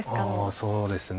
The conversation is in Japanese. そうですね。